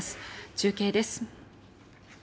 中継です。